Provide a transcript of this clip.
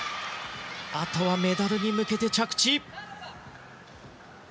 あとはメダルに向けての着地。